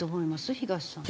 東さん。